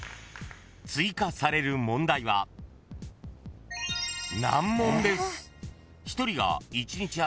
［追加される問題は難問です］